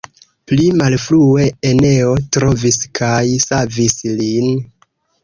Pli malfrue Eneo trovis kaj savis lin.